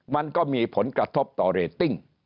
มันก็มีผลกระทบต่อเรตติ้ง